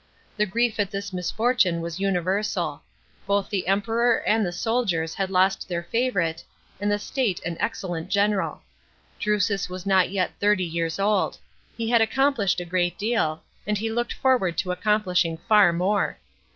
The grief at this misfortune was universal; both the Emperor and the soldiers had lost their favourite, and the state an excellent general. Drusus was not yet thirty years old; he had accomplished a great deal, and he looked forward to accomplishing far more.